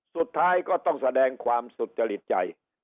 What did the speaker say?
สุดท้ายก็ต้องแสดงความสุจริตใจ